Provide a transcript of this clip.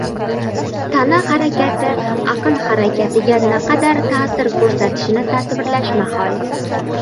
Tana harakati aql harakatiga naqadar ta’sir ko‘rsatishini tasvirlash mahol.